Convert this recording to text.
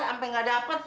sampai nggak dapat